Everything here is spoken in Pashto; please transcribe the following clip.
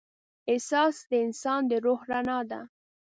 احساس د انسان د روح رڼا ده.